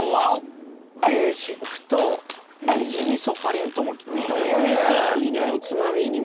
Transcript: ベーシックとねぎ味噌かりんとも見たことないですね。